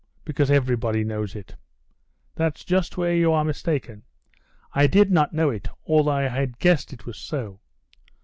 "Because everybody knows it...." "That's just where you are mistaken; I did not know it, though I had guessed it was so."